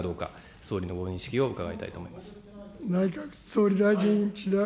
総理のご認識を伺いたいと思います。